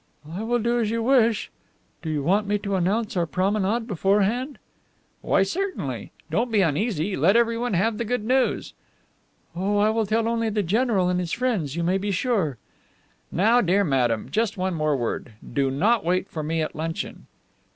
"I will do as you wish. Do you want me to announce our promenade beforehand?" "Why, certainly. Don't be uneasy; let everybody have the good news." "Oh, I will tell only the general and his friends, you may be sure." "Now, dear Madame, just one more word. Do not wait for me at luncheon."